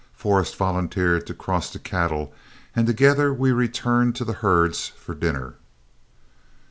Forrest volunteered to cross the cattle, and together we returned to the herds for dinner.